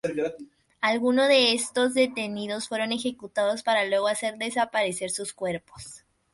Algunos de estos detenidos fueron ejecutados para luego hacer desaparecer sus cuerpos.